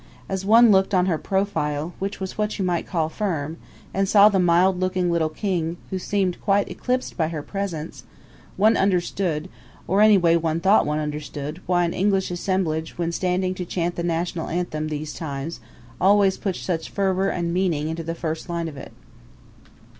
As one looked on her profile, which was what you might call firm, and saw the mild looking little king, who seemed quite eclipsed by her presence, one understood or anyway one thought one understood why an English assemblage, when standing to chant the national anthem these times, always puts such fervor and meaning into the first line of it.